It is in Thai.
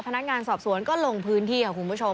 พนักงานสอบสวนก็ลงพื้นที่ค่ะคุณผู้ชม